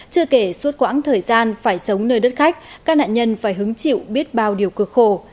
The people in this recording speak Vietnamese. chưa kể suốt quãng thời gian phải sống nơi đất khách các nạn nhân phải hứng chịu biết bao điều cực khổ